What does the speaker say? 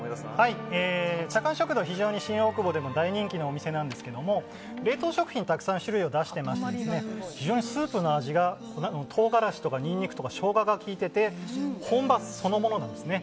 チャカン食堂は非常に新大久保でも大人気のお店なんですけど冷凍食品の種類をたくさん出していまして非常にスープの味が唐辛子とかニンニクとかショウガが効いていて本場そのものなんですね。